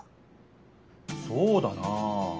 そうだなあ。